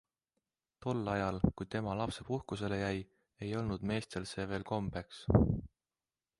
Tol ajal, kui tema lapsepuhkusele jäi, ei olnud meestel see veel kombeks.